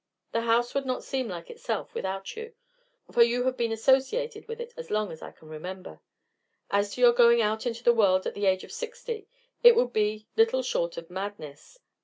The house would not seem like itself without you, for you have been associated with it as long as I can remember. As to your going out into the world at the age of sixty, it would be little short of madness.